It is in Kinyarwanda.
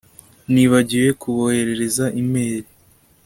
Nibagiwe kuboherereza email